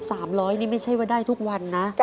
สามร้อยนี่ไม่ใช่ว่าได้ทุกวันนะ